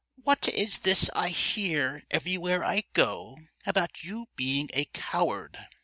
"What is this I hear everywhere I go about you being a coward?"